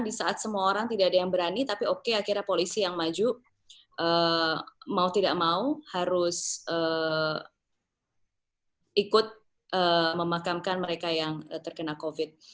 di saat semua orang tidak ada yang berani tapi oke akhirnya polisi yang maju mau tidak mau harus ikut memakamkan mereka yang terkena covid